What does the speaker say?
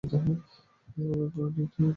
তবে প্রণালীটি যথেষ্ট গভীর।